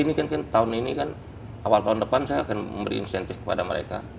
ini kan tahun ini kan awal tahun depan saya akan memberi insentif kepada mereka